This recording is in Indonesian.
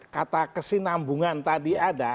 kata kesinambungan tadi ada